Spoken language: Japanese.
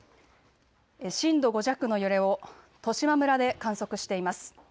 震度５弱の揺れを十島村で観測しています。